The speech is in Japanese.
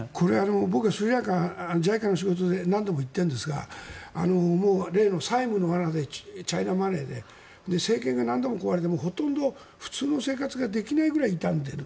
僕はスリランカＪＩＣＡの仕事で何度も行ってるんですが例の債務の罠でチャイナマネーで政権が何度も壊れてほとんど普通の生活ができないくらい傷んでいる。